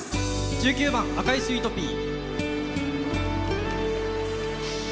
１９番「赤いスイートピー」。